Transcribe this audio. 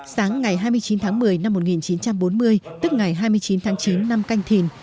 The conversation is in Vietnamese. sáng ngày hai mươi chín tháng một mươi năm một nghìn chín trăm bốn mươi tức ngày hai mươi chín tháng chín năm canh thìn